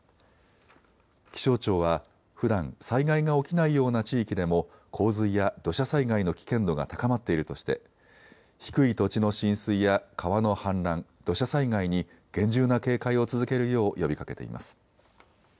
気象庁はふだん災害が起きないような地域でも洪水や土砂災害の危険度が高まっているとして低い土地の浸水や川の氾濫、土砂災害に厳重な警戒を続けるよう呼びかけています。